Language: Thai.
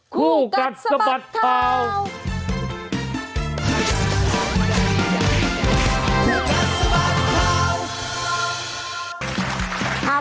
คู่กัดสะบัดข่าว